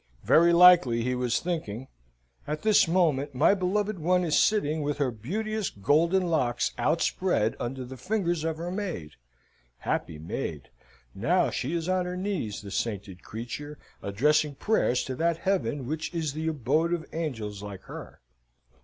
Very likely he was thinking; "At this moment, my beloved one is sitting with her beauteous golden locks outspread under the fingers of her maid. Happy maid! Now she is on her knees, the sainted creature, addressing prayers to that Heaven which is the abode of angels like her.